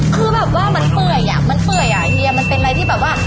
คือแบบว่ามันเปื่อยอ่ะมันเปื่อยอ่ะเฮียมันเป็นอะไรที่แบบว่า